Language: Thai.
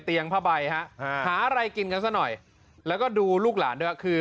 ผ้าใบฮะหาอะไรกินกันซะหน่อยแล้วก็ดูลูกหลานด้วยคือ